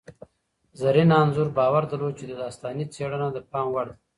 زرین انځور باور درلود چي داستاني څېړنه د پام وړ ده.